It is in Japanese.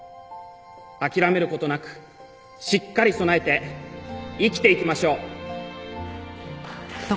諦める事なくしっかり備えて生きていきましょう。